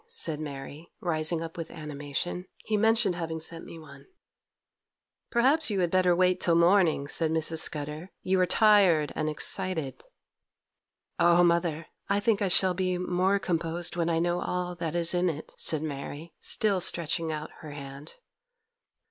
said Mary, rising up with animation; 'he mentioned having sent me one.' 'Perhaps you had better wait till morning,' said Mrs. Scudder; 'you are tired and excited.' 'Oh, mother, I think I shall be more composed when I know all that is in it,' said Mary, still stretching out her hand.